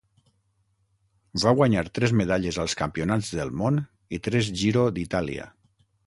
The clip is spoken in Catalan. Va guanyar tres medalles als Campionats del món i tres Giro d'Itàlia.